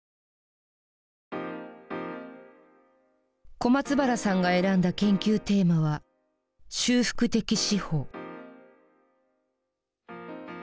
小松原さんが選んだ研究テーマは「修復的司法」。